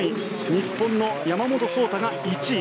日本の山本草太が１位。